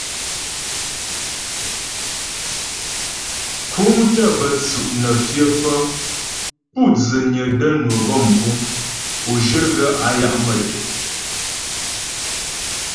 Kúŋ tə́ bə́ tsʉ' nə́ fyə pə́ pu' dzənyə də́ nwə gɔ mkuŋ o zhyə gaə́ á ya' mətɛ.